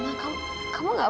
itu cuma kekuatan dari saya